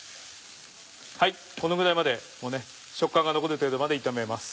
このぐらいまで食感が残る程度まで炒めます。